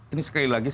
ini sekali lagi